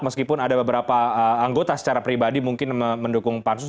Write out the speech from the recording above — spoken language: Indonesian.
meskipun ada beberapa anggota secara pribadi mungkin mendukung pansus